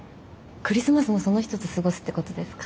クリスマスもその人と過ごすってことですか？